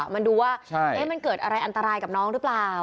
มันดูว่ามันเกิดอะไรอันตรายกับน้องหรือเปล่า